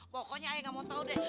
pokoknya ayah gak mau tau deh